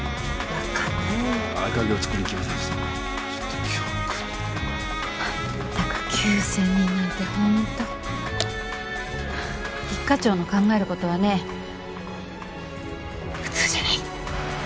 まったく９０００人なんて本当一課長の考える事はね普通じゃない！